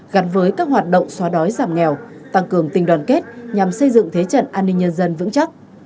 gắn với các hoạt động xóa đói giảm nghèo tăng cường tình đoàn kết nhằm xây dựng thế trận an ninh nhân dân vững chắc